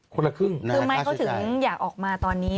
คือไมค์เขาถึงอยากออกมาตอนนี้